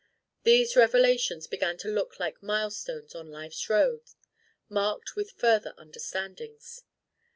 These revelations began to look like mile stones on life's road, marked with further understandings.